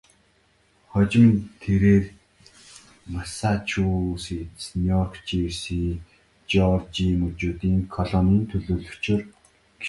Хожим нь тэрээр Массачусетс, Нью Жерси, Жеоржия мужуудын колонийн төлөөлөгчөөр ажиллаж байсан.